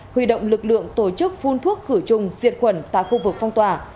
huy động lực lượng tổ chức phun thuốc khử trùng diệt khuẩn tại khu vực phong tỏa